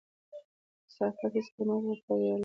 کثافات هيڅکله مه په ويالو،